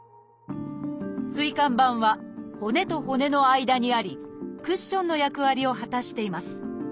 椎間板は骨と骨の間にありクッションの役割を果たしています。